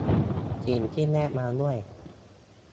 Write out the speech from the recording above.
สิ่งที่แนบมาด้วย